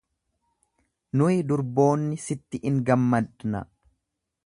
Nuyi durboonni sitti in gammadna